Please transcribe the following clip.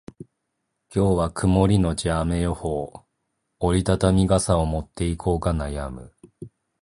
今日は曇りのち雨予報。折り畳み傘を持っていこうか悩む。